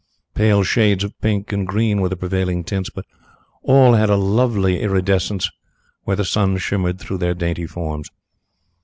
Pale shades of pink and green were the prevailing tints, but all had a lovely iridescence where the sun shimmered through their dainty forms.